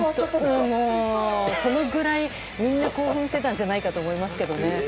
そのぐらいみんな興奮してたんじゃないかと思うんですけどね。